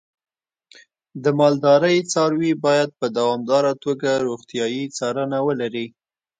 د مالدارۍ څاروی باید په دوامداره توګه روغتیايي څارنه ولري.